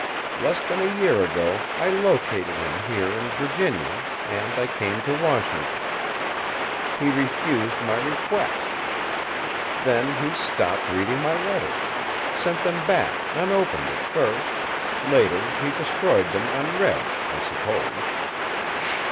Less than a year ago I located him here in Virginia, and I came to Washington. He refused my requests. Then, he stopped reading my letters sent them back unopened at first; later, he destroyed them unread, I suppose."